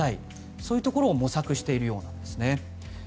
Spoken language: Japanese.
そういうところを模索しているようですね。